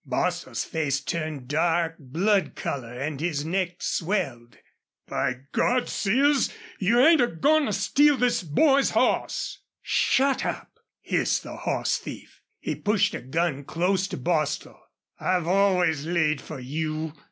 Bostil's face turned dark blood color and his neck swelled. "By Gawd, Sears! You ain't a goin' to steal this boy's hoss!" "Shut up!" hissed the horse thief. He pushed a gun close to Bostil. "I've always laid fer you!